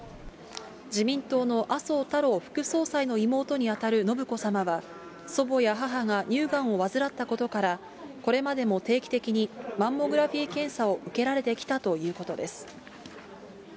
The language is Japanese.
自民党の麻生太郎副総裁の妹に当たる信子さまは、祖母や母が乳がんを患ったことから、これまでも定期的にマンモグラフィ検査を受けられてきたということです。